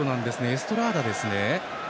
エストラーダですね。